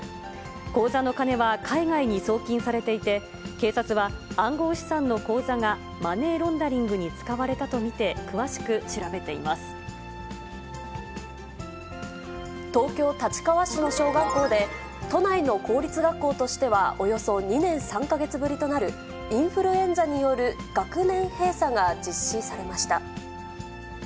口座の金は海外に送金されていて、警察は暗号資産の口座がマネーロンダリングに使われたと見て詳し東京・立川市の小学校で、都内の公立学校としてはおよそ２年３か月ぶりとなる、インフルエンザによる学年閉鎖が実施されました。